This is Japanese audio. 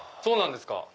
そうなんですか。